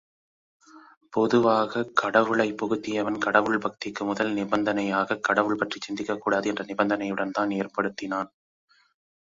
பொதுவாகக் கடவுளைப் புகுத்தியவன், கடவுள் பக்திக்கு முதல் நிபந்தனையாகக் கடவுள் பற்றிச் சிந்திக்கக் கூடாது என்ற நிபந்தனையுடன்தான் ஏற்படுத்தினான்.